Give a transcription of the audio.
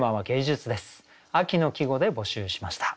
秋の季語で募集しました。